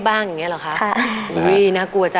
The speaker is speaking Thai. มันไงคะ